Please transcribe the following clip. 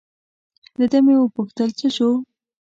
له ده مې و پوښتل: څه شو؟